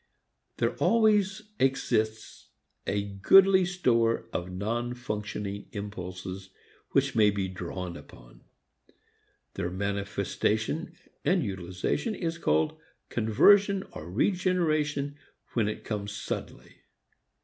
There always exists a goodly store of non functioning impulses which may be drawn upon. Their manifestation and utilization is called conversion or regeneration when it comes suddenly.